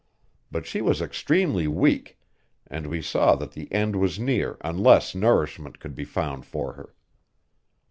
But she was extremely weak, and we saw that the end was near unless nourishment could be found for her.